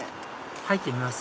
入ってみます？